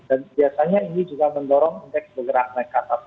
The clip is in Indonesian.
dan biasanya ini juga mendorong indeks bergerak naik ke atas